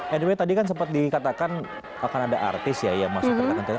ya tapi tadi kan sempat dikatakan akan ada artis ya yang masuk kereta rencana